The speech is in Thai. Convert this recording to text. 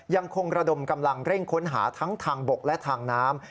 ยังคงระดมกำลังเร่งค้นหาทั้งทางบกและทางน้ำ